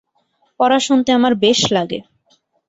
পড়া শুনতে আমার বেশ লাগে।